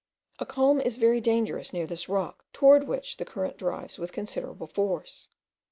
A calm is very dangerous near this rock, towards which the current drives with considerable force.